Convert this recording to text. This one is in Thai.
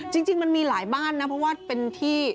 จริงมันมีหลายบ้านนะเพราะว่าเป็นที่